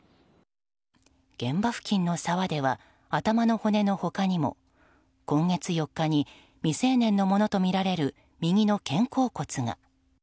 現場付近の沢では頭の骨の他にも今月４日に、未成年のものとみられる右の肩甲骨が。